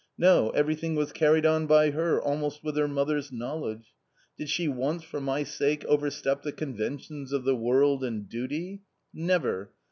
No, everything was carried on by her almost with her mother's knowledge ! Did she once for my sake overstep the conventions of the world and duty ? never